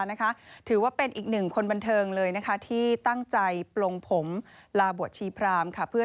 นะคะถือว่าเป็นอีกหนึ่งคนบันเทิงเลยนะคะที่ตั้งใจปลงผมลาบวชชีพรามค่ะเพื่อ